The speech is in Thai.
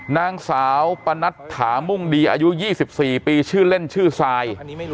นางสาวปะนัดถามุ่งดีอายุ๒๔ปีชื่อเล่นชื่อทราย